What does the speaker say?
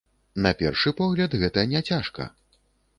На першы погляд, гэта няцяжка.